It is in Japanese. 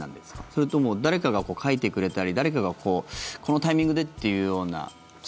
それとも誰かが書いてくれたり誰かが、このタイミングでっていうような。